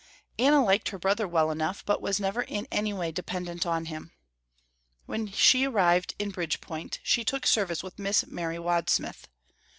Anna liked her brother well enough but was never in any way dependent on him. When she arrived in Bridgepoint, she took service with Miss Mary Wadsmith.